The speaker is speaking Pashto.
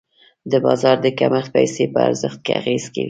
د بازار د کمښت پیسې په ارزښت اغېز کوي.